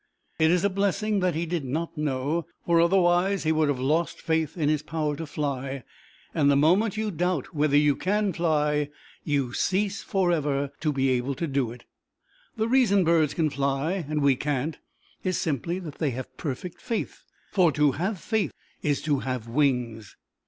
It is a blessing that he did not know, for otherwise he would have lost faith in his power to fly, and the moment you doubt whether you can fly, you cease forever to be able to do it. The reason birds can fly and we can't is simply that they have perfect faith, for to have faith is to have wings.